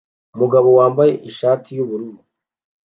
Umugabo wambaye ishati yubururu